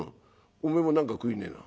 おめえも何か食いねえな」。